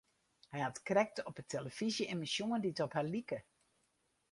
Hja hat krekt op 'e telefyzje immen sjoen dy't op har like.